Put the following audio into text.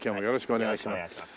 よろしくお願いします。